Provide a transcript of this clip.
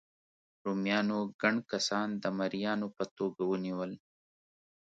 رومیانو ګڼ کسان د مریانو په توګه ونیول.